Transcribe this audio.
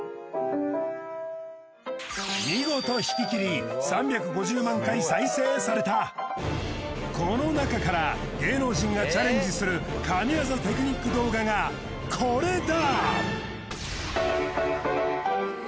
見事弾き切りこの中から芸能人がチャレンジする神業テクニック動画がこれだ！